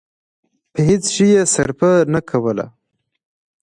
په هېڅ شي يې صرفه نه کوله.